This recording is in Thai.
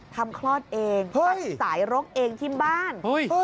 ถ้ำคลอดเองดึดสายรกเองที่บ้าน